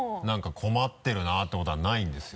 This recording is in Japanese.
困ってるなっていうことはないんですよ